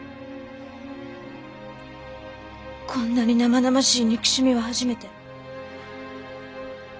こんなに生々しい憎しみは初めて。